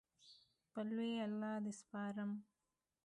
په لوی الله دې سپارم